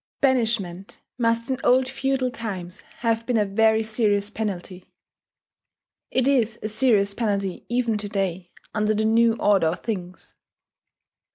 Banishment must in old feudal times have been a very serious penalty; it is a serious penalty even to day, under the new order of things.